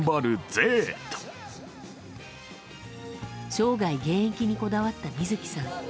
生涯現役にこだわった水木さん。